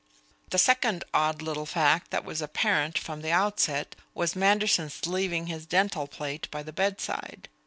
The second odd little fact that was apparent from the outset was Manderson's leaving his dental plate by the bedside.